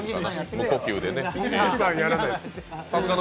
無呼吸でね。